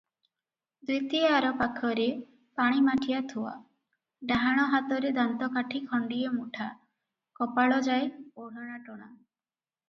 ଦ୍ୱିତୀୟାର ପାଖରେ ପାଣି ମାଠିଆ ଥୁଆ, ଡାହାଣ ହାତରେ ଦାନ୍ତକାଠି ଖଣ୍ତିଏ ମୁଠା, କପାଳ ଯାଏ ଓଢ଼ଣାଟଣା ।